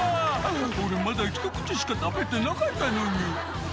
「俺まだひと口しか食べてなかったのに」